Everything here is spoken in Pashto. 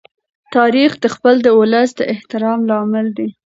تاریخ د خپل ولس د احترام لامل دی.